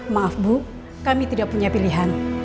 maaf bu kami tidak punya pilihan